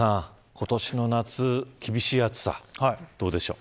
今年の夏、厳しい暑さどうでしょう。